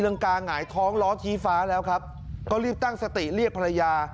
กาหงายท้องล้อชี้ฟ้าแล้วครับก็รีบตั้งสติเรียกภรรยา